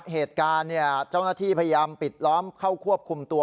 เหตุการณ์เจ้าหน้าที่พยายามปิดล้อมเข้าควบคุมตัว